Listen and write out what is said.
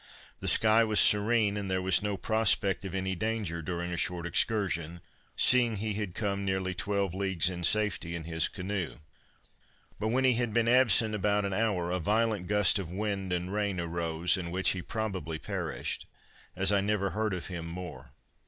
The sky was serene, and there was no prospect of any danger during a short excursion, seeing he had come nearly twelve leagues in safety in his canoe. But, when he had been absent about an hour, a violent gust of wind and rain arose, in which he probably perished, as I never heard of him more.